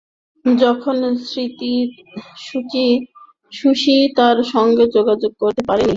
যখন সুস্মিতার সঙ্গে যোগাযোগ করতে পারেননি, তখন তিনি আমাকে ফোন করেছেন।